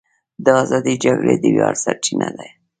د ازادۍ جګړې د ویاړ سرچینه ده.